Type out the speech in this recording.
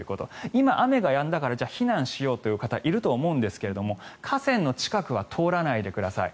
今、雨がやんだからじゃあ避難しようという方がいると思うんですが河川の近くは通らないでください。